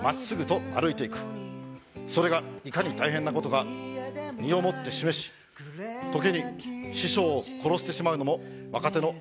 それがいかに大変な事か身をもって示し時に師匠を殺してしまうのも若手の使命ではないでしょうか。